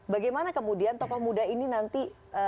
bagaimana kemudian tokoh muda ini nanti